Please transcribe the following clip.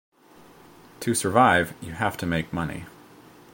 To survive, you have to make money.